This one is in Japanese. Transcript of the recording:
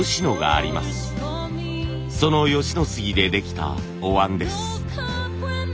その吉野杉でできたお椀です。